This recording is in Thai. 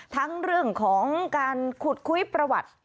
ทั้งเรื่องของการขุดคุยประวัติ